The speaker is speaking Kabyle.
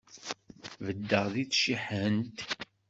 Beddeɣ di tcihant.